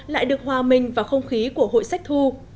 lại được hòa mình vào không khí của hội sách thu